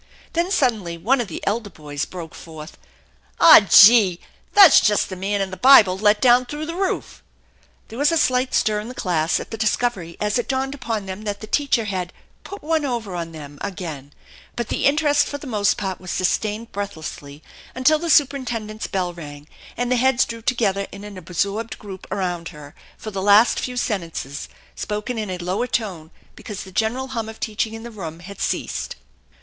Then suddenly one of the elder boys broke forth: "Aw! Gee! That's just the man in the Bible let down through the roof!" There was a slight stir in the class at the discovery as it dawned upon them that the teacher had " put one over on them " again, but the interest for the most part was sustained breathlessly until the superintend ent's bell rang, and the heads drew together in an absorbed group around her for the last few sentences, spoken in a lower tone because the general hum of teaching in the room had ?eased.